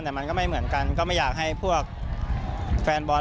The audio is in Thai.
แต่มันก็ไม่เหมือนกันก็ไม่อยากให้พวกแฟนบอล